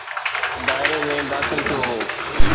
دائري ۾ داخل ٿيو هو.